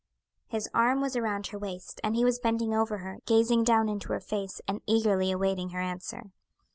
His arm was around her waist, and he was bending over her, gazing down into her face, and eagerly awaiting her answer.